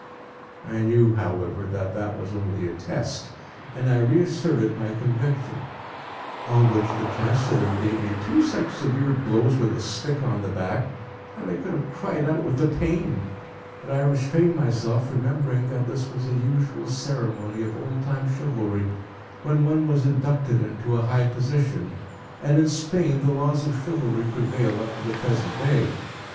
I knew, however, that that was only a test, and I reasserted my conviction; on which the Chancellor gave me two such severe blows with a stick on the back, that I could have cried out with the pain. But I restrained myself, remembering that this was a usual ceremony of old time chivalry when one was inducted into a high position, and in Spain the laws of chivalry prevail up to the present day.